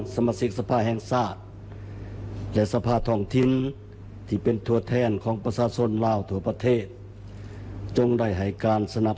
ถ้าว่าที่ผ่านมาภายใต้การปกครองของรัฐบาลคอมมินิสต์